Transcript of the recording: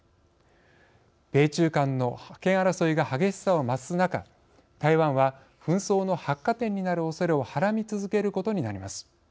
米中間の覇権争いが激しさを増す中、台湾は紛争の発火点になるおそれをはらみ続けることになります。